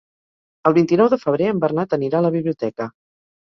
El vint-i-nou de febrer en Bernat anirà a la biblioteca.